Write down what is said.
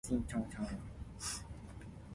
有樣看樣，無樣家己想